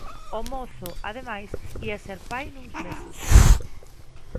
O mozo, ademais, ía ser pai nuns meses.